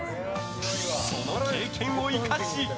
その経験を生かし。